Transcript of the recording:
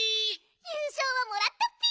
ゆうしょうはもらったッピ！